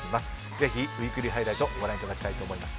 ぜひ、ウィークリーハイライトご覧いただきたいと思います。